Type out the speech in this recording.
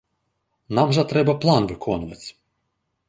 Нам жа трэба план выконваць.